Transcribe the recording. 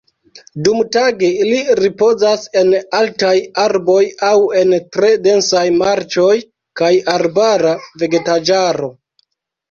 Dumtage ili ripozas en altaj arboj aŭ en tre densaj marĉoj kaj arbara vegetaĵaro.